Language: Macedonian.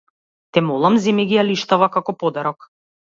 Те молам, земи ги алиштава како подарок.